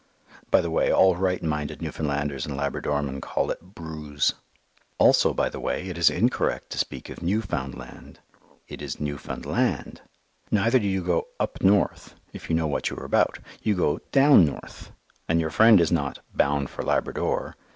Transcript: By the way, all right minded Newfoundlanders and Labradormen call it "bruse." Also by the way, it is incorrect to speak of _New_foundland. It is Newfound_land_. Neither do you go up north if you know what you are about. You go "down North"; and your friend is not bound for Labrador.